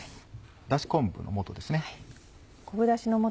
だし昆布の素ですね。